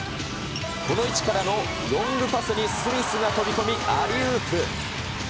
この位置からのロングパスにスミスが飛び込み、アリウープ。